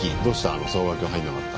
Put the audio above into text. あの双眼鏡入んなかった。